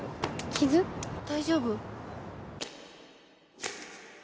大丈夫？